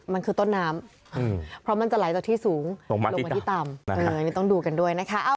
มันคือต้นน้ำเพราะมันจะไหลจากที่สูงลงมาที่ต่ำนี่ต้องดูกันด้วยนะคะ